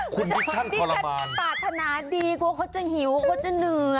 คุณมิชชั่งขอรรามาญมีแค่ปรารถนาดีกว่าเขาจะหิวเขาจะเหนื่อย